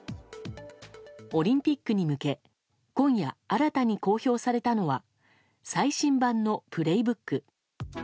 オリンピックに向け今夜、新たに公表されたのは最新版の「プレイブック」。